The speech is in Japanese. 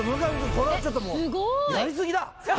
これはちょっともうすごいやりすぎだ！